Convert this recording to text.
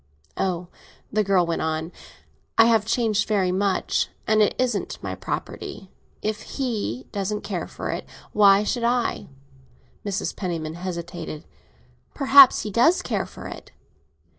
Oh," the girl went on, "I have changed very much. And it isn't my property. If he doesn't care for it, why should I?" Mrs. Penniman hesitated. "Perhaps he does care for it."